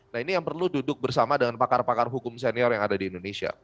nah ini yang perlu duduk bersama dengan pakar pakar hukum senior yang ada di indonesia